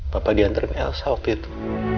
papa diantarin elsa waktu itu